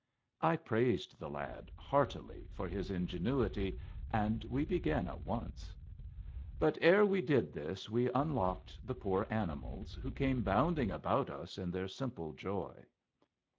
I praised the lad heartily for his ingenuity, and we began at once. But ere we did this we unlocked the poor animals, who came bounding about us in their simple joy.